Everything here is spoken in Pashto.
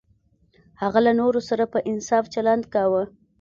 هغه له نورو سره په انصاف چلند کاوه.